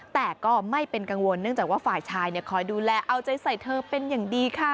แต่ก็ไม่เป็นกังวลเนื่องจากว่าฝ่ายชายคอยดูแลเอาใจใส่เธอเป็นอย่างดีค่ะ